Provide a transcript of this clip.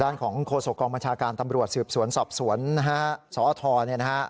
ด้านของโครสกองประชาการตำรวจสืบสวนสอบสวนสอเนี่ยนะครับ